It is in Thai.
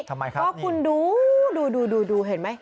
ทำไมครับก็คุณดูดูดูเห็นไหม